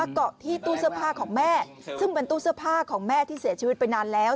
เกาะที่ตู้เสื้อผ้าของแม่ซึ่งเป็นตู้เสื้อผ้าของแม่ที่เสียชีวิตไปนานแล้ว